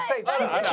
あら！